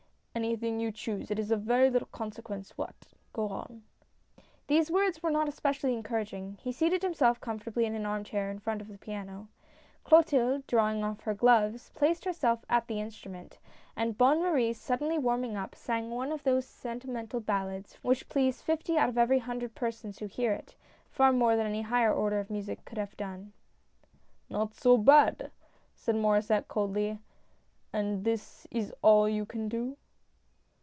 " Anything you choose, it is of very little consequence what — go on." These words were not especially encouraging. He seated himself comfortably in an arm chair in front of the piano. Clotilde, drawing off her gloves, placed herself at the instrument ; and Bonne Marie, suddenly warming up, sang one of those sentimental ballads which please fifty out of every hundred persons who hear it, far more than any higher order of music could have done. " Not so bad !" said Mauresset, coldly. " And this is all you can do